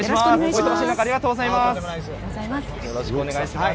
忙しい中ありがとうございます。